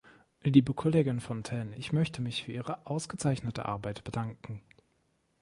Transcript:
Liebe Kollegin Fontaine, ich möchte mich für Ihre ausgezeichnete Arbeit bedanken.